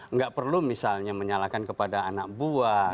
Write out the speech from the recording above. nggak perlu misalnya menyalahkan kepada anak buah